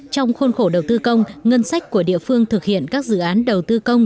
trong khuôn khổ đầu tư công ngân sách của địa phương thực hiện các dự án đầu tư công